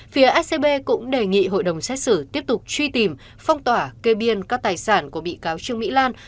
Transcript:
phía scb cũng đề nghị hội đồng xét xử tiếp tục truy tìm phong tỏa kê biên các tài sản của bị cáo trương mỹ lan